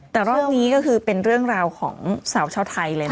แต่รอบนี้ก็คือเป็นเรื่องราวของสาวชาวไทยเลยนะ